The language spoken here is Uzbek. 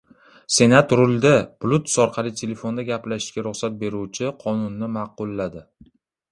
Senat rulda bluetooth orqali telefonda gaplashishga ruxsat beruvchi qonunni ma’qulladi